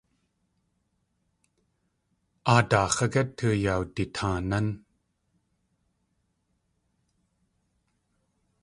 A daax̲ ágé tuyawditaanán?